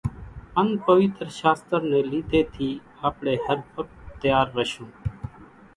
ان پويتر شاستر ني لِيڌي ٿي آپڙي ھر وقت تيار رشون